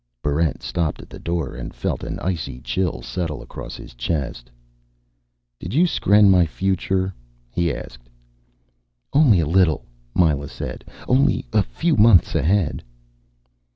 Barrent stopped at the door, and felt an icy chill settle across his chest. "Did you skren my future?" he asked. "Only a little," Myla said. "Only a few months ahead."